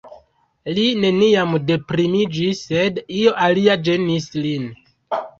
Li neniam deprimiĝis, sed io alia ĝenis lin.